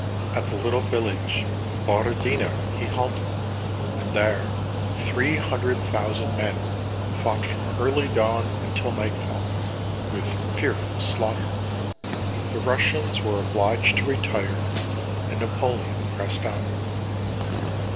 At the little village of Borodino he halted, and there three hundred thousand men fought from early dawn until nightfall, with fearful slaughter. The Russians were obliged to retire, and Napoleon pressed on.